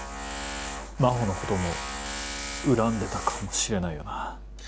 真帆のことも恨んでたかもしれないよな。